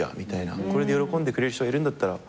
これで喜んでくれる人がいるんだったら。